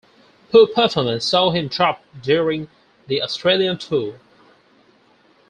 Poor performances saw him dropped during the Australian tour.